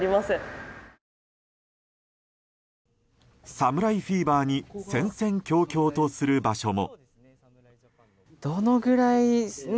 侍フィーバーに戦々恐々とする場所も。